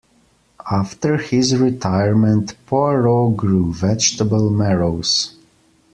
After his retirement, Poirot grew vegetable marrows.